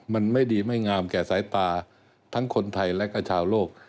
มันไม่ดีไม่งามแก่สายตาทั้งคนไทยและก็ชาวโลก